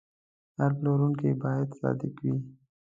هر پلورونکی باید صادق وي.